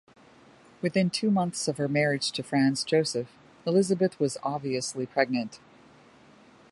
Within two months of her marriage to Franz Joseph, Elisabeth was obviously pregnant.